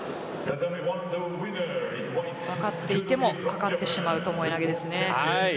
分かっていてもかかってしまう巴投です。